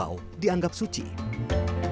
dan juga di tengganan peking seringan